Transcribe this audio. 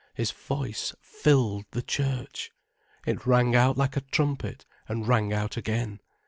His voice filled the church! It rang out like a trumpet, and rang out again.